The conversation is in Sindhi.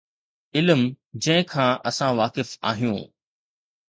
علم جنهن کان اسان واقف آهيون.